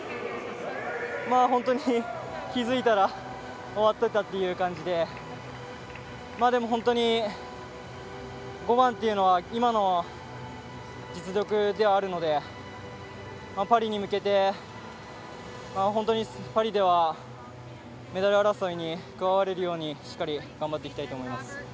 本当に気付いたら終わってたっていう感じででも、本当に５番っていうのは今の実力ではあるので、パリに向けて本当にパリではメダル争いに加われるようにしっかり、頑張っていきたいと思います。